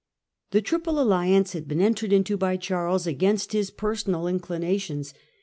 The Triple Alliance had been entered into by Charles against his personal inclinations.